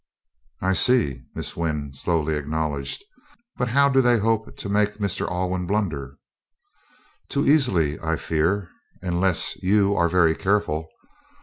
"I see," Miss Wynn slowly acknowledged. "But how do they hope to make Mr. Alwyn blunder?" "Too easily, I fear unless you are very careful.